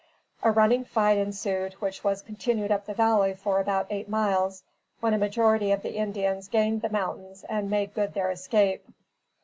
A running fight ensued, which was continued up the valley for about eight miles, when a majority of the Indians gained the mountains and made good their escape.